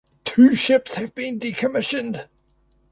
Two ships have been decommissioned.